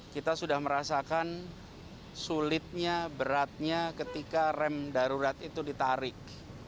kita sudah merasakan sulitnya beratnya ketika rem darurat itu ditarik